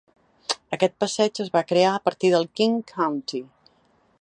Aquest passeig es va crear a partir del King County.